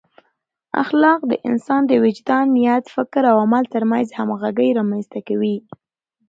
اخلاق د انسان د وجدان، نیت، فکر او عمل ترمنځ همغږۍ رامنځته کوي.